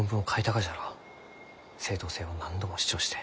正当性を何度も主張して。